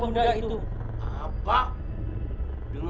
hamba terbakar oleh pembunuh